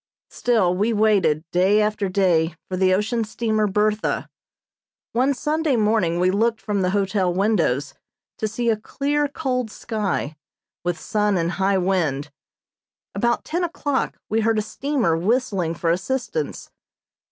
Still we waited day after day for the ocean steamer "Bertha." One Sunday morning we looked from the hotel windows to see a clear, cold sky, with sun and high wind. About ten o'clock we heard a steamer whistling for assistance.